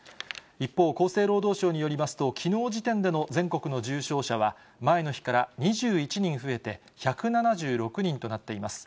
一方、厚生労働省によりますと、きのう時点での全国の重症者は、前の日から２１人増えて、１７６人となっています。